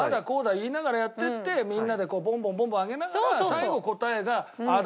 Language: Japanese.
言いながらやっていってみんなでボンボンボンボン上げながら最後答えがああだ